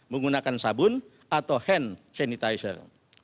menggunakan sabun atau hand sanitizer